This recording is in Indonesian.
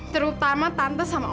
terutama tante sama opel